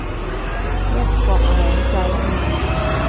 一國兩制喇嘛